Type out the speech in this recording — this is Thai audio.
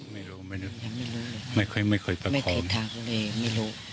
ไม่รู้ไม่รู้ไม่เคยไม่เคยไปขอไม่เคยทางกูเลยไม่รู้